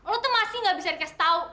lu tuh masih gak bisa dikasih tahu